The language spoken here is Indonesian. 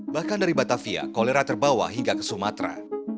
bahkan dari batavia kolera terbawa hingga ke sumatera